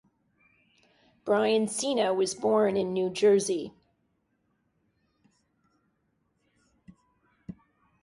Brian Cina was born in New Jersey.